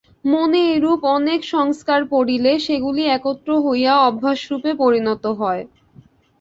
মনে এইরূপ অনেক সংস্কার পড়িলে সেগুলি একত্র হইয়া অভ্যাসরূপে পরিণত হয়।